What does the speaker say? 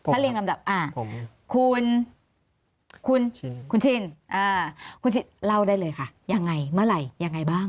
ถ้าเรียงลำดับคุณคุณชินคุณชินเล่าได้เลยค่ะยังไงเมื่อไหร่ยังไงบ้าง